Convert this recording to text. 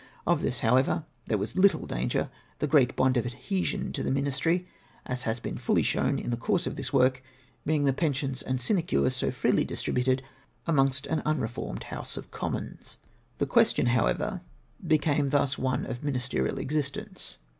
Of this, how ever, there wa* little danger, the great bond of adhesion to the J\iinistry, as has been fully shown in the course of this work, being the pensions and sinecures so freely distributed amongst an uu.refoi'med House of Commons. The question, however, became thus one of ministerial existence.